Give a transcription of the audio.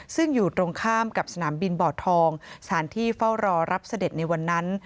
ซึ่งอยู่ตรงข้ามกับสนามบินบ่อทองสถานที่เฝ้ารอรับเสด็จในวันนั้น